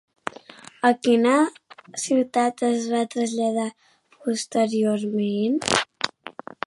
A quina ciutat es va traslladar posteriorment?